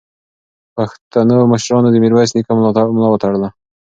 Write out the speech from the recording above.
پښتنو مشرانو د میرویس نیکه ملا وتړله.